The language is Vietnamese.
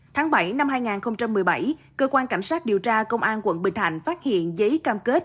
tháng bảy năm hai nghìn một mươi bảy cơ quan cảnh sát điều tra công an quận bình thạnh phát hiện giấy cam kết